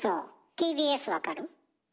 ＴＢＳ分かる？